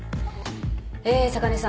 え坂根さん。